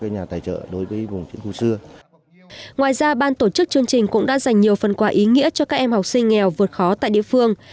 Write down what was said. ngoài ra ban tổ chức chương trình cũng đã dành nhiều phần quà ý nghĩa cho các em học sinh nghèo vượt khó tại địa phương